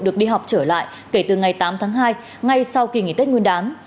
được đi học trở lại kể từ ngày tám tháng hai ngay sau kỳ nghỉ tết nguyên đán